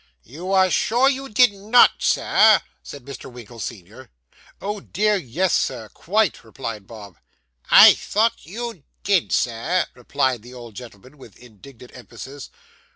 'You are sure you did not, sir?' said Mr. Winkle, senior. 'Oh dear, yes, sir, quite,' replied Bob. 'I thought you did, Sir,' replied the old gentleman, with indignant emphasis.